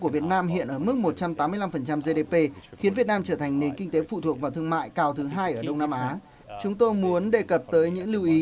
và đến năm hai nghìn một mươi chín sẽ tăng lên